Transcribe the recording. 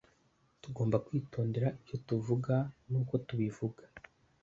tugomba kwitondera ibyo tuvuga n uko tubivuga